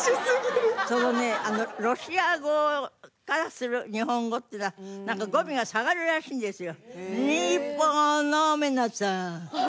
そのねロシア語からする日本語っていうのはなんか語尾が下がるらしいんですよ。